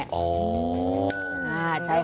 อ่าใช่ค่ะ